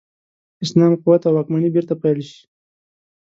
اسلام قوت او واکمني بیرته پیل شي.